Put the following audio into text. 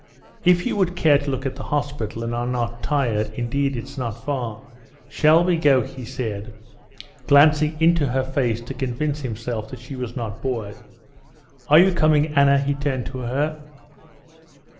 "If you would care to look at the hospital, and are not tired, indeed, it's not far. Shall we go?" he said, glancing into her face to convince himself that she was not bored. "Are you coming, Anna?" he turned to her.